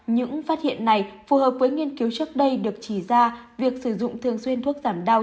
những phát hiện này phù hợp với nghiên cứu trước đây được chỉ ra việc sử dụng thường xuyên thuốc giảm đau